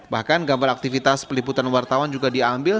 bahkan gambar aktivitas peliputan wartawan juga diambil